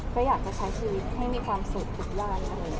เขาอยากจะใช้ชีวิตให้มีความสุขทุกรายอะไร